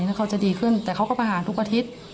แล้วเขาจะดีขึ้นแต่เขาก็ประหารทุกอาทิตย์